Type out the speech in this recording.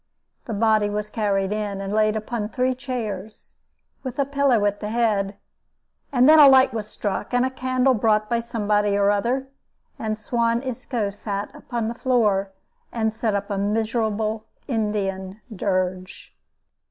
The body was carried in, and laid upon three chairs, with a pillow at the head; and then a light was struck, and a candle brought by somebody or other. And Suan Isco sat upon the floor, and set up a miserable Indian dirge.